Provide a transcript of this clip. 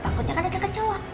takutnya kan ada kecoak